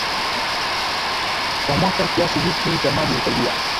kwa mwaka Kiasi hiki cha maji husaidia